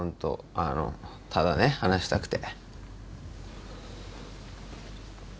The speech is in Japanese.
あのただね話したくて。